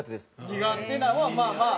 苦手なんはまあまあ。